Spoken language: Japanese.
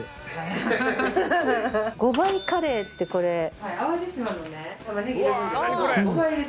５倍カレーってこれ。